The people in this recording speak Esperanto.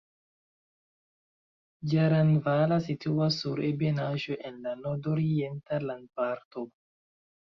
Ĝaranvala situas sur ebenaĵo en la nordorienta landparto.